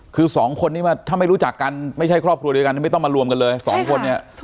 คือสองคนนี้ถ้าไม่รู้จักกันไม่ใช่ครอบครัวเดียวกันไม่ต้องมารวมกันเลยสองคนเนี่ย